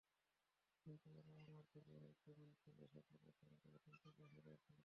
কিন্তু ওরা আমার কোচিংয়ে কেমন খেলে সেটা প্রথম কয়েক সপ্তাহে দেখা দরকার।